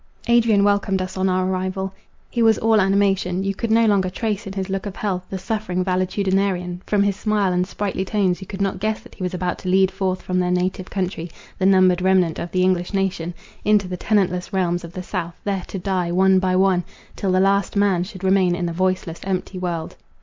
Adrian welcomed us on our arrival. He was all animation; you could no longer trace in his look of health, the suffering valetudinarian; from his smile and sprightly tones you could not guess that he was about to lead forth from their native country, the numbered remnant of the English nation, into the tenantless realms of the south, there to die, one by one, till the LAST MAN should remain in a voiceless, empty world.